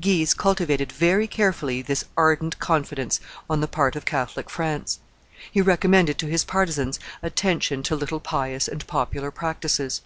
Guise cultivated very carefully this ardent confidence on the part of Catholic France; he recommended to his partisans attention to little pious and popular practices.